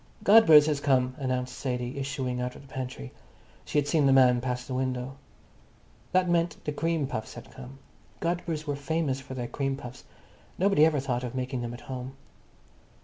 "Godber's has come," announced Sadie, issuing out of the pantry. She had seen the man pass the window. That meant the cream puffs had come. Godber's were famous for their cream puffs. Nobody ever thought of making them at home.